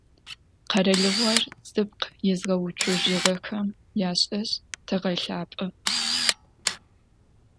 Къэралыгъор зыпкъ изгъэуцожьыгъэхэм яшӏэжь тэгъэлъапӏэ.